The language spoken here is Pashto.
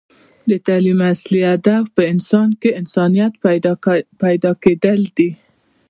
د تعلیم اصل هدف په انسان کې انسانیت پیدا کیدل دی